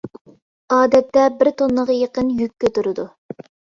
ئادەتتە بىر توننىغا يېقىن يۈك كۆتۈرىدۇ.